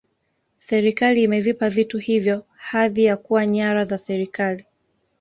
serikali imevipa vitu hivyo hadhi ya kuwa nyara za serikali